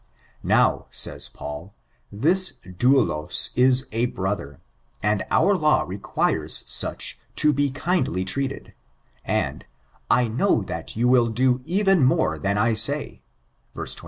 Now, says Paul, this dotdos is a brother, and our law requires such to be kindly treated, and "I know that you will do even more than I say," verse 21.